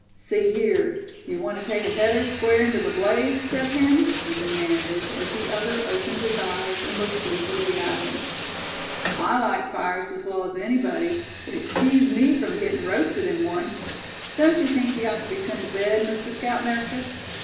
"See here, d'ye want to take a header square into the blaze, Step Hen?" he demanded, as the other opened his eyes, and looked sleepily at him. "I like fires as well as anybody, but excuse me from getting roasted in one. Don't you think he ought to be sent to bed, Mr. Scoutmaster?